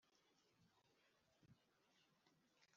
kujyana muri filime,